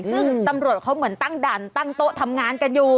ซึ่งตำรวจเขาเหมือนตั้งด่านตั้งโต๊ะทำงานกันอยู่